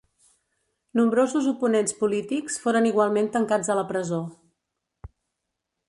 Nombrosos oponents polítics foren igualment tancats a la presó.